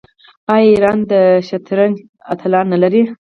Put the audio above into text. آیا ایران د شطرنج اتلان نلري؟